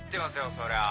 そりゃ。